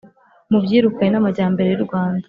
Mubyirukane n'amajyambere y'u Rwanda!